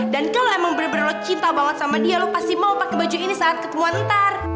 dan kalo emang bener bener lo cinta banget sama dia lo pasti mau pake baju ini saat ketemuan ntar